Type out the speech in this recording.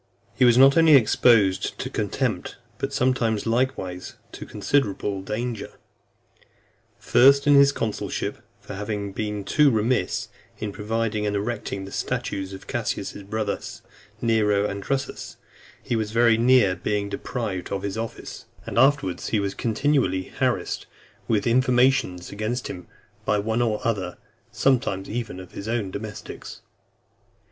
IX. He was not only exposed to contempt, but sometimes likewise to considerable danger: first, in his consulship; for, having been too remiss in providing and erecting the statues of Caius's brothers, Nero and Drusus, he was very near being deprived of his office; and afterwards he was continually harassed with informations against him by one or other, sometimes even by his own domestics.